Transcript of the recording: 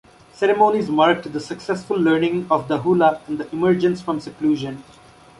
Ceremonies marked the successful learning of the hula and the emergence from seclusion.